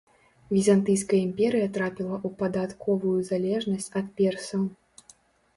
Візантыйская імперыя трапіла ў падатковую залежнасць ад персаў.